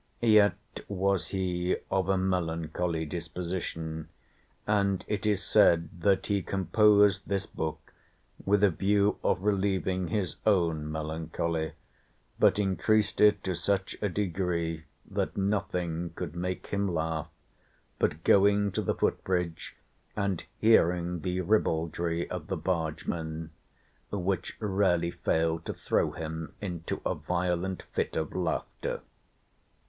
Yet was he of a melancholy disposition, and it is said that "he composed this book with a view of relieving his own melancholy, but increased it to such a degree that nothing could make him laugh but going to the foot bridge and hearing the ribaldry of the bargemen, which rarely failed to throw him into a violent fit of laughter."